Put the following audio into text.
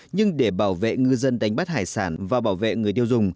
nhưng để bảo vệ ngư dân đánh bắt hải sản và bảo vệ người tiêu dùng